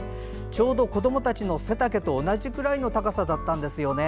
ちょうど子どもたちの背丈と同じくらいの高さだったんですね。